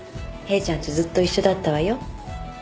ヘイちゃんとずっと一緒だったわよ。